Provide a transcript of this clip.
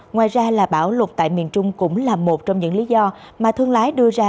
ngoài ra là bảo luật tại miền trung cũng là một trong những lý do mà thương lái đưa ra